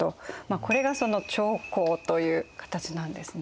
これがその朝貢という形なんですね。